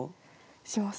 します。